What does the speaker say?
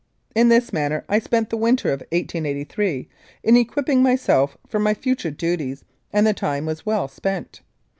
In this manner I spent the winter of 1883, in equip ping myself for my future duties, and the time was well spent.